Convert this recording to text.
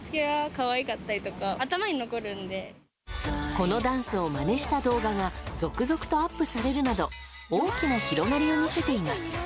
このダンスをまねした動画が続々とアップされるなど大きな広がりを見せています。